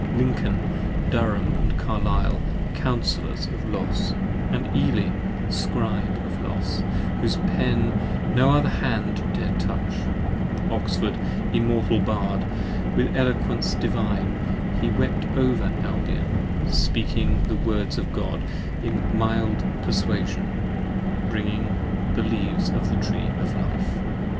5 Lincoln, Durham & Carlisle, Councellors of Los, And Ely, Scribe of Los, whose pen no other hand Dare touch: Oxford, immortal Bard; with eloquence Divine, he wept over Albion, speaking the words of God In mild perswasion : bringing leaves of the Tree of Life.